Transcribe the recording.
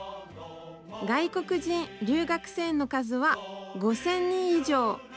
外国人留学生の数は５０００人以上。